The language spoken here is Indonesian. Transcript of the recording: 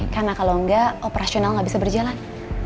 karena kalau enggak operasional gak bisa berjalan